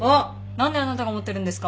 何であなたが持ってるんですか？